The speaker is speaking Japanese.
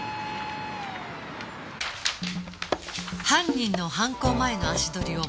犯人の犯行前の足取りをマエアシ